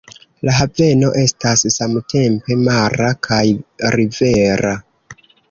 La haveno estas samtempe mara kaj rivera.